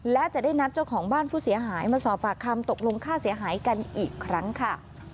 และจะได้นัดเจ้าของบ้านผู้เสียหายมาสอบปากคำตกลงค่าเสียหายกันอีกครั้งค่ะ